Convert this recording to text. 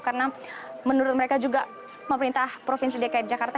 karena menurut mereka juga pemerintah provinsi dki jakarta